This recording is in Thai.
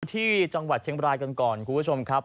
ที่จังหวัดเชียงบรายกันก่อนคุณผู้ชมครับ